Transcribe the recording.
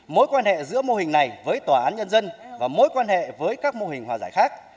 mối quan hệ giữa mô hình này với tòa án nhân dân và mối quan hệ với các mô hình hòa giải khác